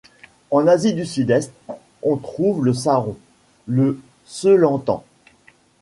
En Asie du Sud-Est, on trouve le saron, le selantan.